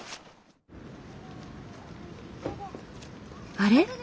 あれ？